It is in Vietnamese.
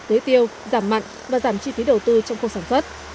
tế tiêu giảm mặn và giảm chi phí đầu tư trong khu sản xuất